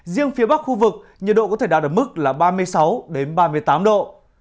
riêng phía bắc khu vực nhiệt độ có thể đạt được mức là ba mươi sáu ba mươi tám độ